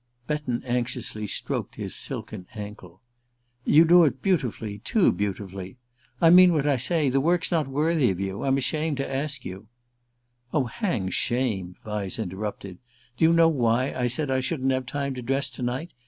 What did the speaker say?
Betton anxiously stroked his silken ankle. "You do it beautifully, too beautifully. I mean what I say: the work's not worthy of you. I'm ashamed to ask you " "Oh, hang shame," Vyse interrupted. "Do you know why I said I shouldn't have time to dress to night?